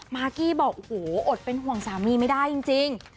มากกี้บอกโอ้โหอดเป็นห่วงสามีไม่ได้จริง